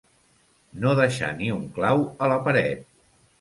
No deixar ni un clau a la paret.